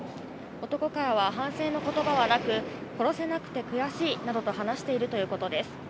男からは反省のことばはなく、殺せなくて悔しいなどと話しているということです。